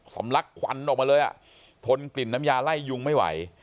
ลักควันออกมาเลยอ่ะทนกลิ่นน้ำยาไล่ยุงไม่ไหว